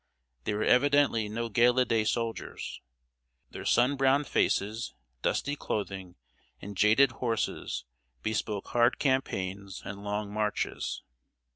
They were evidently no gala day soldiers. Their sun browned faces, dusty clothing, and jaded horses bespoke hard campaigns and long marches.